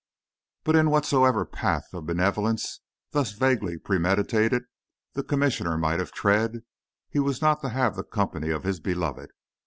But in whatsoever paths of benevolence, thus vaguely premeditated, the Commissioner might tread, he was not to have the company of his beloved.